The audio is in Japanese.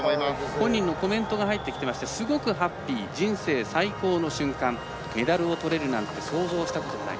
本人のコメントが入ってきてましてすごくハッピー、人生最高の瞬間メダルをとれるなんて想像したこともない。